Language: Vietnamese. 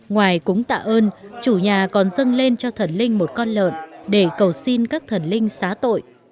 ngoài cúng tạ ơn chủ nhà còn dâng lên cho thần linh một con lợn để cầu xin các thần linh xá tội